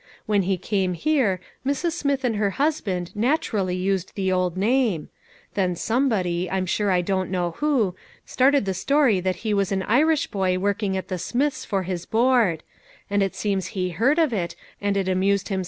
When he came here Mrs. Smith and her husband naturally used the old name; then somebody, I'm sure I don't know who, started the story that he was an Irish boy working at the Smiths for his board ; and it seems he heard of it, and it amused him 426 LITTLE FISHEKS: AND THEIR NETS.